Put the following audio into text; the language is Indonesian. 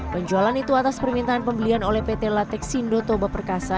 penjualan itu atas permintaan pembelian oleh pt latexindo toba perkasa